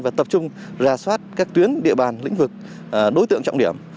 và tập trung ra soát các tuyến địa bàn lĩnh vực đối tượng trọng điểm